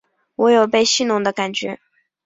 我有被戏弄的感觉